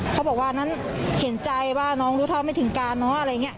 เขาบอกว่าอันนั้นเห็นใจว่าน้องรู้เท่าไม่ถึงการเนอะอะไรอย่างนี้